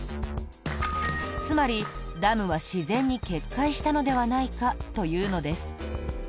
つまり、ダムは自然に決壊したのではないかというのです。